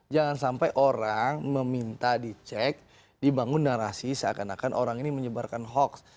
jangan sampai orang meminta dicek dibangun narasi seakan akan orang ini menyebarkan hoax